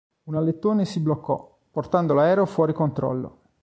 Un alettone si bloccò, portando l'aereo fuori controllo.